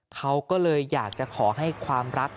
เขาก็เลยอยากจะขอให้ความรัก